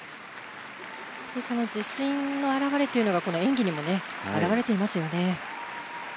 その自信の表れというのが、演技にも表れていますよね。